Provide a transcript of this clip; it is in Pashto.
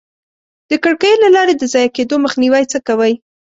د کړکیو له لارې د ضایع کېدو مخنیوی څه کوئ؟